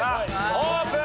オープン！